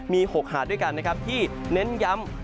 มี๖หาดด้วยกันที่เน้นย้ำ